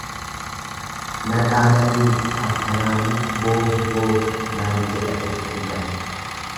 Na dhaananii mitii akkanaanuu boohi, boohi naan jedha jette intalli.